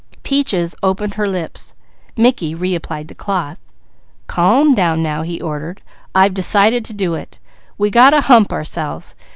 Peaches opened her lips, Mickey reapplied the cloth. "Calm down now!" he ordered. "I've decided to do it. We got to hump ourselves.